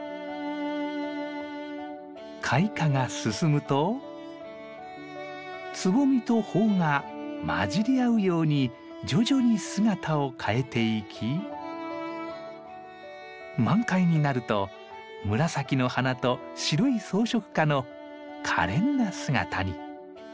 開花が進むとつぼみと苞が交じり合うように徐々に姿を変えていき満開になると紫の花と白い装飾花のかれんな姿に。